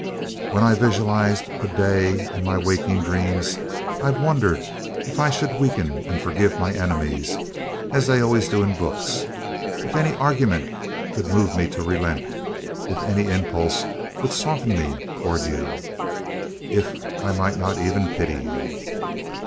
"When I've visualized 'The Day' in my waking dreams, I've wondered if I should weaken and forgive my enemies as they always do in books if any argument could move me to relent if any impulse would soften me toward you if I might not even pity you.